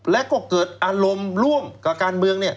และก็เกิดอารมณ์ร่วมกับการเมือง